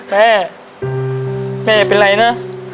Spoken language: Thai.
แม่แม่เป็นไรนะ